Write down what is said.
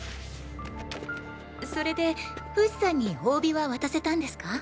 それでフシさんに褒美は渡せたんですか？